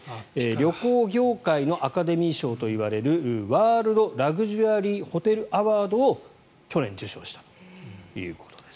旅行業界のアカデミー賞といわれるワールドラグジュアリーホテルアワードを去年、受賞したということです。